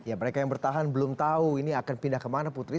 ya mereka yang bertahan belum tahu ini akan pindah kemana putri